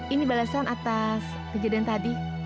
ini balasan atas kejadian tadi